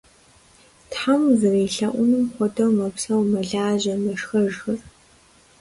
Тхьэм узэрелъэӏунум хуэдэу мэпсэу, мэлажьэ, мэшхэжхэр.